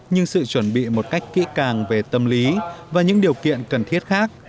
nhưng sự chuẩn bị một cách kỹ càng về tâm lý và những điều kiện cần thiết khác